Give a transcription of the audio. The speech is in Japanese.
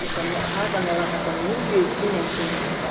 あなたの若さで２１年っていうんですから。